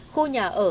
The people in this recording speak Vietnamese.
khu nhà ở